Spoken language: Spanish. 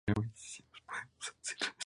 Sci., Sci.